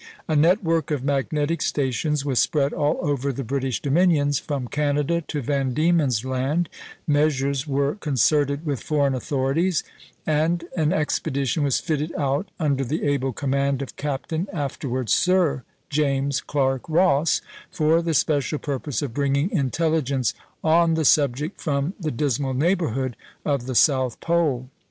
A network of magnetic stations was spread all over the British dominions, from Canada to Van Diemen's Land; measures were concerted with foreign authorities, and an expedition was fitted out, under the able command of Captain (afterwards Sir James) Clark Ross, for the special purpose of bringing intelligence on the subject from the dismal neighbourhood of the South Pole.